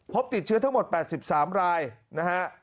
พบติดเชื้อทั้งหมด๘๓รายนะฮะ